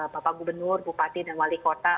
bapak gubernur bupati dan wali kota